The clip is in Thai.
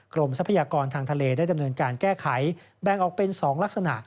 ทรัพยากรทางทะเลได้ดำเนินการแก้ไขแบ่งออกเป็น๒ลักษณะ